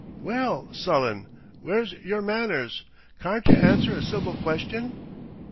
"Well, sullen, w'ere's yer manners? Carn't yer answer a civil question?"